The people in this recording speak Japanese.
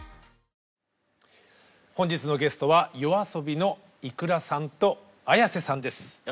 本日のゲストはＹＯＡＳＯＢＩのｉｋｕｒａさんとＡｙａｓｅさんです。